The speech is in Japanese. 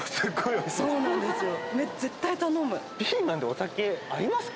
そうなんですよ。